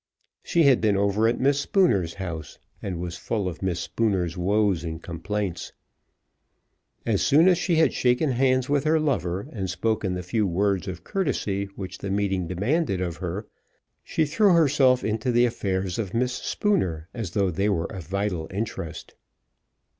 She had been over at Miss Spooner's house and was full of Miss Spooner's woes and complaints. As soon as she had shaken hands with her lover and spoken the few words of courtesy which the meeting demanded of her, she threw herself into the affairs of Miss Spooner as though they were of vital interest.